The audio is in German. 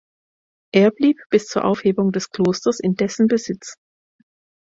Er blieb bis zur Aufhebung des Klosters in dessen Besitz.